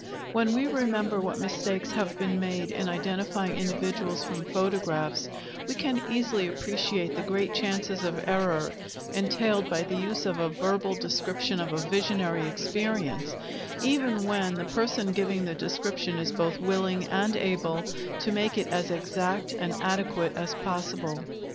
When we remember what mistakes have been made in identifying individuals from photographs, we can easily appreciate the great chances of error entailed by the use of a verbal description of a visionary experience, even when the person giving the description is both willing and able to make it as exact and adequate as possible.